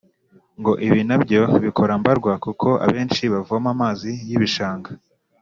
Ngo ibi na byo bikora mbarwa kuko abenshi bavoma amazi y’ibishanga